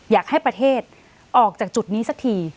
อยากให้ประเทศออกจากจุดนี้สักที